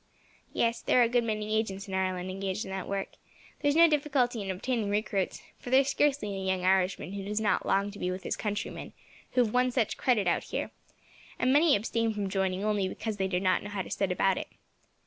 "Yes, there are a good many agents in Ireland engaged in that work. There is no difficulty in obtaining recruits, for there is scarcely a young Irishman who does not long to be with his countrymen, who have won such credit out here, and many abstain from joining only because they do not know how to set about it.